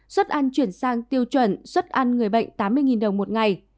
xuất ăn chuyển sang tiêu chuẩn xuất ăn người bệnh tám mươi đồng một ngày